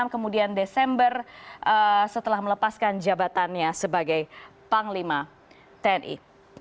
kemudian desember setelah melepaskan jabatannya sebagai panglima tni